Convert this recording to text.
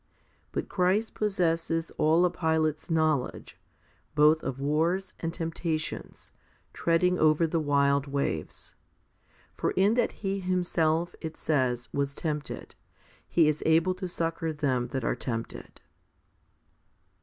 1 But Christ possesses all a pilot's knowledge, both of wars and temptations, treading over the wild waves. For in that He Himself, it says, was tempted, He is able to succour them that are templed?